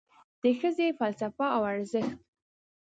د ښځې فلسفه او ارزښت